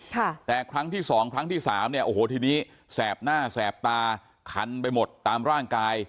ค่ะแต่ครั้งที่สองครั้งที่สามเนี่ยโอ้โหทีนี้แสบหน้าแสบตาคันไปหมดตามร่างกาย